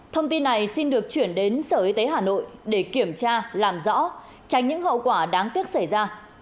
thông tin này xin được chuyển đến sở y tế hà nội để kiểm tra làm rõ tránh những hậu quả đáng tiếc xảy ra